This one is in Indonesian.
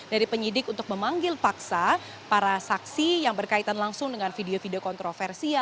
dari penyidik untuk memanggil paksa para saksi yang berkaitan langsung dengan video video kontroversi